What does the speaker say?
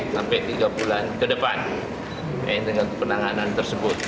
sampai tiga bulan ke depan dengan penanganan tersebut